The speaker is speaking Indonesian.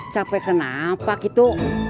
capek kenapa kitu